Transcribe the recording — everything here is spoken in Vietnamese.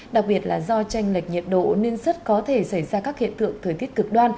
đặc biệt là do tranh lệch nhiệt độ